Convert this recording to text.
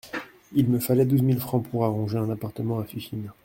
Il me fallait douze mille francs pour arranger un appartement à Fifine.